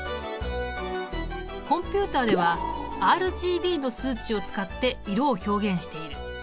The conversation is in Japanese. コンピュータではＲＧＢの数値を使って色を表現している。